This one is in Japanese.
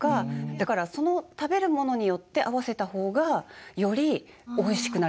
だからその食べるものによって合わせた方がよりおいしくなるんですよ。